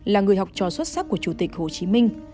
là người học trò xuất sắc của chủ tịch hồ chí minh